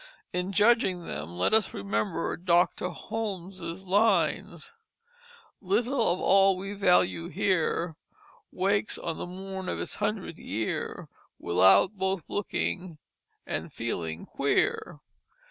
In judging them let us remember Dr. Holmes' lines: "Little of all we value here Wakes on the morn of its hundredth year Without both looking and feeling queer."